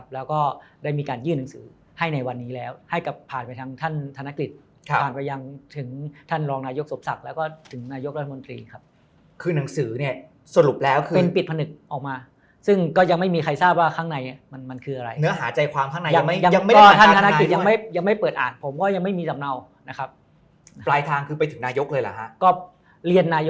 แล้วก็ได้มีการยื่นหนังสือให้ในวันนี้แล้วให้กับผ่านไปทางท่านธนกฤษผ่านไปยังถึงท่านรองนายกสมศักดิ์แล้วก็ถึงนายกรัฐมนตรีครับคือหนังสือเนี่ยสรุปแล้วคือเป็นปิดผนึกออกมาซึ่งก็ยังไม่มีใครทราบว่าข้างในมันคืออะไรเนื้อหาใจความข้างในยังไม่ท่านธนกฤษยังไม่ยังไม่เปิดอ่านผมก็ยังไม่มีสำเนานะครับปลายทางคือไปถึงนายกเลยเหรอฮะ